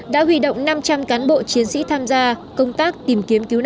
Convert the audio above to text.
đã huy động năm trăm linh cán bộ chiến sĩ tham gia công tác tìm kiếm cứu nạn